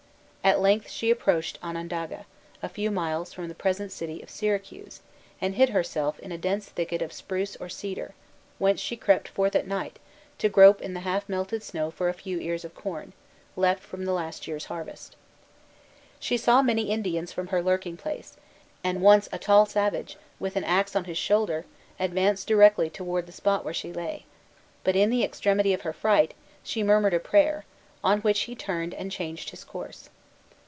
At length she approached Onondaga, a few miles from the present city of Syracuse, and hid herself in a dense thicket of spruce or cedar, whence she crept forth at night, to grope in the half melted snow for a few ears of corn, left from the last year's harvest. She saw many Indians from her lurking place, and once a tall savage, with an axe on his shoulder, advanced directly towards the spot where she lay: but, in the extremity of her fright, she murmured a prayer, on which he turned and changed his course.